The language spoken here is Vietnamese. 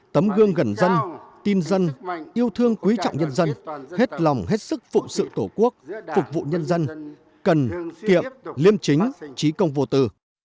tấm gương gần dân tin dân yêu thương quý trọng nhân dân hết lòng hết sức phụng sự tổ quốc phục vụ nhân dân cần kiệm liêm chính trí công vô tư